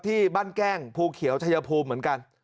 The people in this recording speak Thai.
ที่บ้านแก้งภูเขียวชายภูมิเหมือนกัน